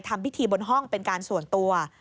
ทำพิธีบนห้องเป็นการส่วนตัว